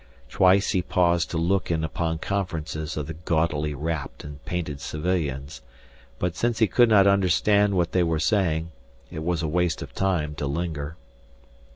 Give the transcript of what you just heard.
Twice he paused to look in upon conferences of the gaudily wrapped and painted civilians, but, since he could not understand what they were saying, it was a waste of time to linger.